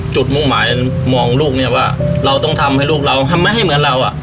มุ่งหมายมองลูกเนี่ยว่าเราต้องทำให้ลูกเราทำไมให้เหมือนเราอ่ะ